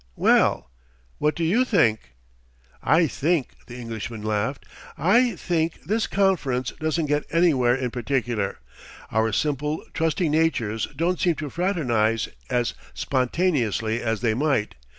"Well, what do you think?" "I think," the Englishman laughed "I think this conference doesn't get anywhere in particular. Our simple, trusting natures don't seem to fraternize as spontaneously as they might.